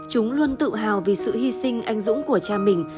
chúng luôn tự hào vì sự hy sinh anh dũng của cha mình